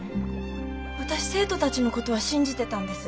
私生徒たちのことは信じてたんです。